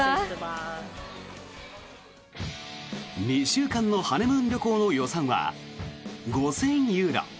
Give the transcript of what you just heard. ２週間のハネムーン旅行の予算は５０００ユーロ。